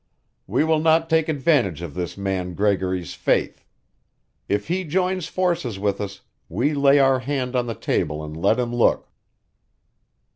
We will not take advantage of this man Gregory's faith. If he joins forces with us, we lay our hand on the table and let him look."